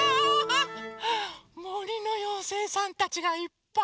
もりのようせいさんたちがいっぱい！